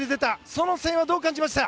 その声援はどう感じました？